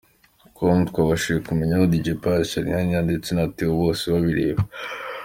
com twabashije kumenyamo Dj Pius, Charly na Nina ndetse na Theo Bosebabireba.